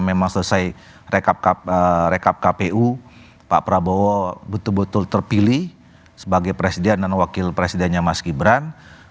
memang selesai rekap kpu pak prabowo betul betul terpilih sebagai presiden dan wakil presidennya mas gibran